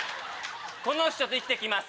この人と生きて行きます。